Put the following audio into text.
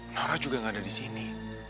naura juga gak ada di sini